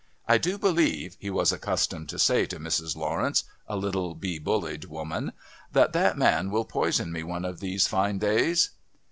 "I do believe," he was accustomed to say to Mrs. Lawrence, a little be bullied woman, "that that man will poison me one of these fine days."